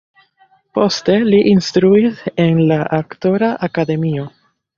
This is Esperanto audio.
Poste li instruis en la aktora akademio.